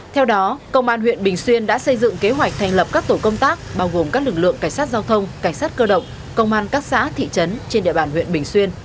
theo đó công an huyện bình xuyên đã xây dựng kế hoạch thành lập các tổ công tác bao gồm các lực lượng cảnh sát giao thông cảnh sát cơ động công an các xã thị trấn trên địa bàn huyện bình xuyên